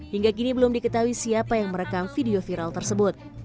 hingga kini belum diketahui siapa yang merekam video viral tersebut